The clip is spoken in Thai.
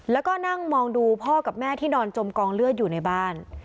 แล้วก็นั่งมองดูพ่อกับแม่ที่นอนจมกองเลือดอยู่ในบ้าน